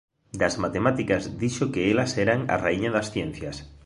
Das matemáticas dixo que elas eran "a raíña das ciencias".